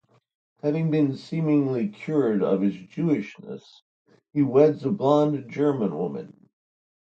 Having been seemingly cured of his Jewishness, he weds a blonde German woman.